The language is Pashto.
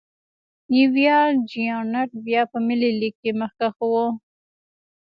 نیویارک جېانټ بیا په ملي لېګ کې مخکښ و.